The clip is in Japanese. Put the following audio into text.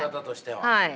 はい。